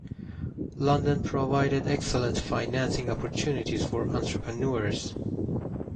London provided excellent financing opportunities for entrepreneurs.